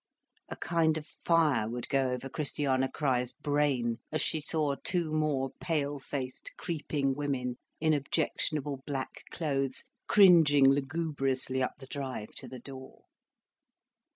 A kind of fire would go over Christiana Crich's brain, as she saw two more pale faced, creeping women in objectionable black clothes, cringing lugubriously up the drive to the door.